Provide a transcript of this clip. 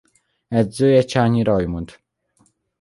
Edzője Csányi Rajmund.